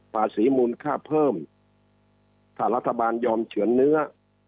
ภาษีมูลค่าเพิ่มถ้ารัฐบาลยอมเฉือนเนื้อ